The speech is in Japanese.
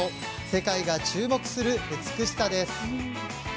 世界が注目する美しさです。